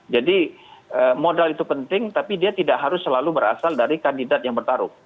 jadi modal itu penting tapi dia tidak harus selalu berasal dari kandidat yang bertarung